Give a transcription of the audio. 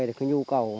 được nhu cầu